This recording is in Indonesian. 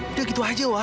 udah gitu aja wah